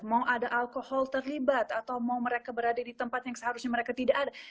mau ada alkohol terlibat atau mau mereka berada di tempat yang seharusnya mereka tidak ada